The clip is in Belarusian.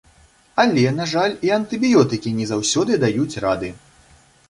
Але, на жаль, і антыбіётыкі не заўсёды даюць рады.